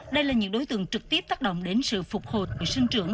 đây là những đối tượng trực tiếp tác động đến sự phục hồi và sinh trưởng